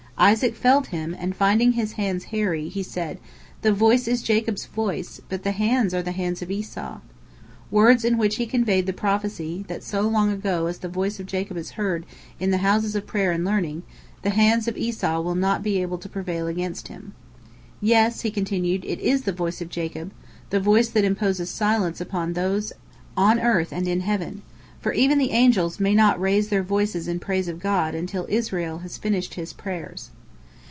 Isaac felt him, and, finding his hands hairy, he said, "The voice is Jacob's voice, but the hands are the hands of Esau," words in which he conveyed the prophecy that so long as the voice of Jacob is heard in the houses of prayer and of learning, the hands of Esau will not be able to prevail against him. "Yes," he continued, "it is the voice of Jacob, the voice that imposes silence upon those on earth and in heaven," for even the angels may not raise their voices in praise of God until Israel has finished his prayers.